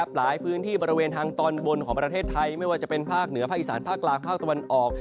หลายพื้นที่บริเวณทางตอนบนของประเทศไทยไม่ว่าจะเป็นภาคเหนือภาคอีสานภาคกลางภาคตะวันออก